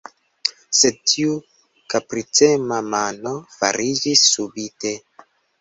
Sed tiu kapricema mano foriĝis subite.